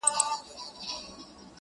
د نوم له سيـتاره دى لـوېـدلى!